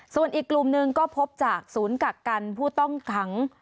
ส่วนอีกกลุ่มหนึ่งก็พบจากศูนย์กักกันผู้ต้องขัง